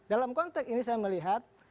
dalam konteks ini saya melihat